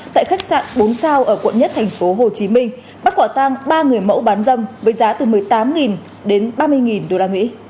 tại khách sạn bốn sao ở quận nhất thành phố hồ chí minh bắt quả tang ba người mẫu bán dâm với giá từ một mươi tám đến ba mươi usd